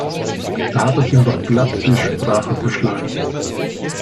Da hat es ihm doch glatt die Sprache verschlagen.